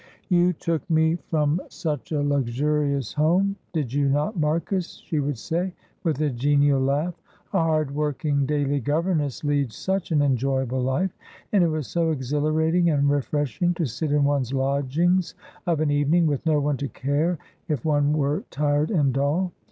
"You took me from such a luxurious home, did you not, Marcus?" she would say, with a genial laugh. "A hard working daily governess leads such an enjoyable life, and it was so exhilarating and refreshing to sit in one's lodgings of an evening, with no one to care if one were tired and dull.